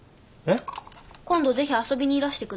えっ？